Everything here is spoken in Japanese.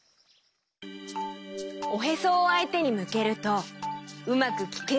おへそをあいてにむけるとうまくきけるようになるんだよ。